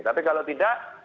tapi kalau tidak